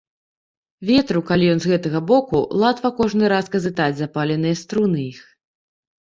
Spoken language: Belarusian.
Ветру, калі ён з гэтага боку, латва кожны раз казытаць запыленыя струны іх.